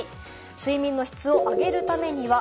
睡眠の質を上げるためには？